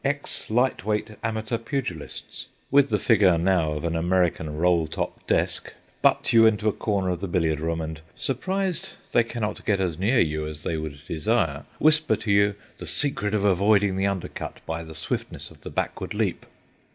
Ex light weight amateur pugilists, with the figure now of an American roll top desk, butt you into a corner of the billiard room, and, surprised they cannot get as near you as they would desire, whisper to you the secret of avoiding the undercut by the swiftness of the backward leap.